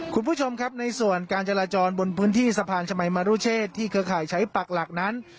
คุณผู้ชมครับในส่วนการจราจรบนพื้นที่สะพานชมัยมรุเชษที่เครือข่ายใช้ปักหลักนั้น